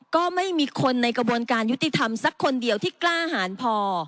ก็ไม่มีคนในกระบวนการยุติธรรมสักคนเดียวที่กล้าหารพอ